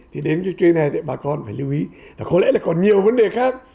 thì đến cái này thì bà con phải lưu ý là có lẽ là còn nhiều vấn đề khác